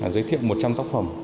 giới thiệu một trăm linh tác phẩm